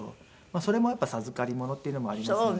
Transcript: それもやっぱり授かり物っていうのもありますので。